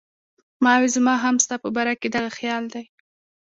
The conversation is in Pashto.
ما وې زما هم ستا پۀ باره کښې دغه خيال دی